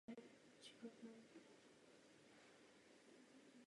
Po vyčerpání baterií sonda přestala vysílat.